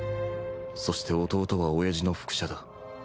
そして弟は親父の複写だ